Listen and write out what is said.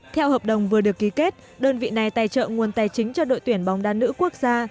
theo hợp đồng vừa được ký kết đơn vị này tài trợ nguồn tài chính cho đội tuyển bóng đá nữ quốc gia